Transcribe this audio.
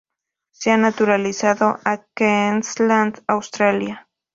Se ha naturalizado en Queensland Australia.